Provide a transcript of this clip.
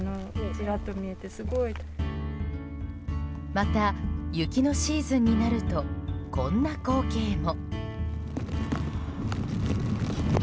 また、雪のシーズンになるとこんな光景も。